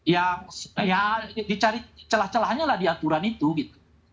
yang dicari celah celahnya lah di aturan itu gitu